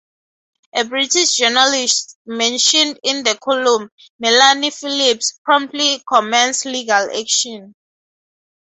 A British journalist mentioned in the column, Melanie Phillips, promptly commenced legal action.